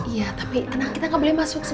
iya tapi tenang kita gak boleh masuk